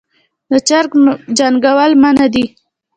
د چرګ جنګول منع دي